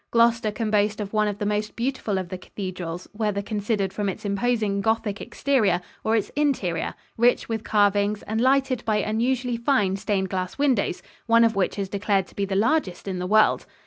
Gloucester can boast of one of the most beautiful of the cathedrals, whether considered from its imposing Gothic exterior or its interior, rich with carvings and lighted by unusually fine stained glass windows, one of which is declared to be the largest in the world.